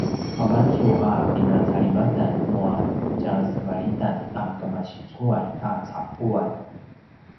mavancu a pinacalivatan nua tjasevalitan a kemasicuay a caquan